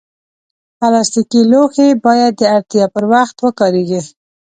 پلاستيکي لوښي باید د اړتیا پر وخت وکارېږي.